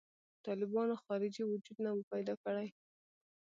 طالبانو خارجي وجود نه و پیدا کړی.